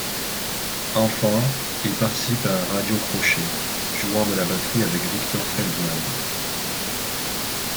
Enfant, il participe à un radio-crochet, jouant de la batterie avec Victor Feldman.